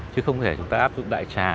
chứ không thể chúng ta áp dụng đại trà